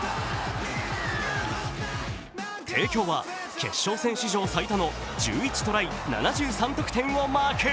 帝京は決勝戦史上最多の１１トライ・７３得点をマーク。